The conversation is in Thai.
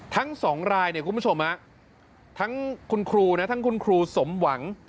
ทั้งสองรายเนี่ยคุณผู้ชมครับทั้งคุณครูสมหวัง